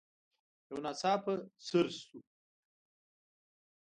يو ناڅاپه څررر شو.